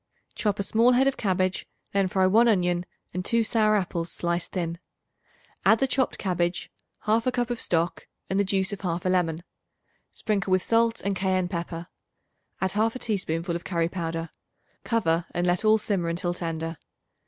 Chop a small head of cabbage, then fry 1 onion and 2 sour apples sliced thin. Add the chopped cabbage, 1/2 cup of stock and the juice of 1/2 lemon; sprinkle with salt and cayenne pepper; add 1/2 teaspoonful of curry powder. Cover and let all simmer until tender.